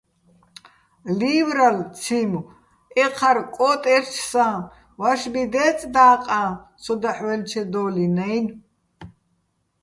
ლივრალო̆ ციმო: ეჴარ კო́ტერჩსაჼ ვაშბი დეწ და́ყაჼ სო დაჰ̦ ვაჲლჩედო́ლიჼ-ნაჲნო̆.